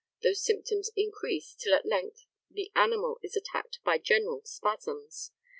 Those symptoms increase, till at length the animal is attacked by general spasms.